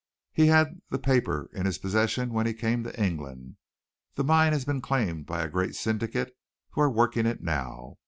"He had the paper in his possession when he came to England. The mine has been claimed by a great syndicate who are working it now.